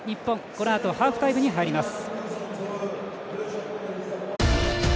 このあとハーフタイムに入ります。